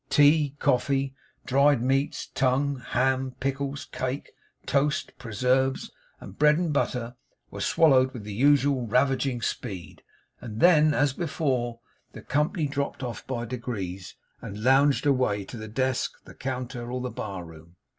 Tea, coffee, dried meats, tongue, ham, pickles, cake, toast, preserves, and bread and butter, were swallowed with the usual ravaging speed; and then, as before, the company dropped off by degrees, and lounged away to the desk, the counter, or the bar room.